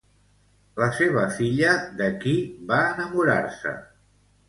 La seva filla de qui va enamorar-se?